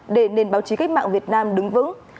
để nền báo chí cách mạng việt nam đứng vững